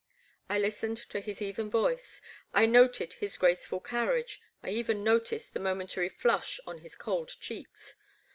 I listened to his even voice, I noticed his grace ful carriage — I even noticed the momentary flush on his cold cheeks.